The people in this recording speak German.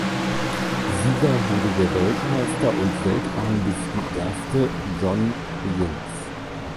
Sieger wurde der Weltmeister und Weltranglistenerste John Higgins.